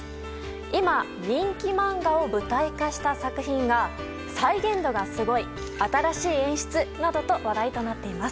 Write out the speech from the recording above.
今、人気漫画を舞台化した作品が再現度がすごい新しい演出！などと話題となっています。